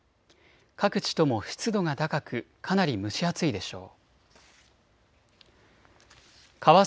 各地とも湿度が高くかなり蒸し暑いでしょう。